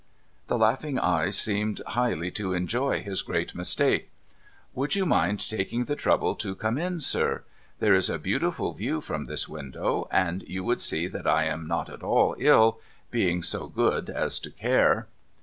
The laughing eyes seemed highly to enjoy his great mistake. ' Would you mind taking the trouble to come in, sir ? There is a beautiful view from this window. And you would see that I am not at all ill — being so good as to care.'